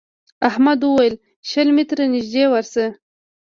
احمد وويل: شل متره نږدې ورشه.